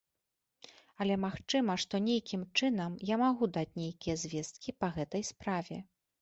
Але магчыма, што нейкім чынам я магу даць нейкія звесткі па гэтай справе.